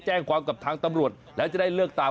แจ้งความกับทางตำรวจแล้วจะได้เลิกตาม